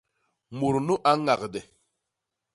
Mut nu a ñagde.